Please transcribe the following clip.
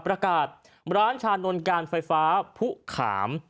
ประกาศร้านชานนท์การไฟฟ้าผู้ขาม